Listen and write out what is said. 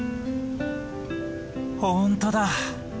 本当だ。